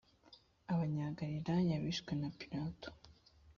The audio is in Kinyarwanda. abanyagalilaya bishwe na pilato